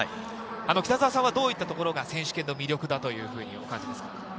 北澤さんはどういったところが選手権の魅力だというふうにお感じですか？